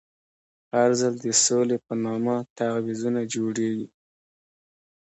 هر ځل د سولې په نامه تعویضونه جوړېږي.